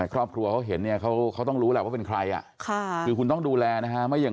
แต่ครอบครัวเขาเห็นเนี่ยเขาเขาต้องรู้แล้วว่าเป็นใครอ่ะค่ะคือคุณต้องดูแลนะฮะไม่อย่าง